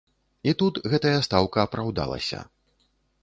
І тут гэтая стаўка апраўдалася.